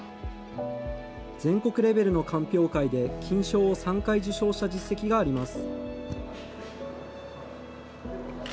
全国レベルの鑑評会で金賞を３回受賞した実績があります。